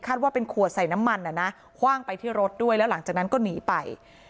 ว่าเป็นขวดใส่น้ำมันคว่างไปที่รถด้วยแล้วหลังจากนั้นก็หนีไป